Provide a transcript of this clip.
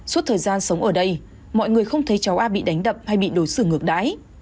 suốt thời gian sống ở đây mọi người không thấy cháu a bị đánh đậm hay bị đổi xử ngược đái